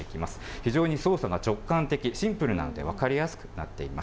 非常に操作が直感的、シンプルなので分かりやすくなっています。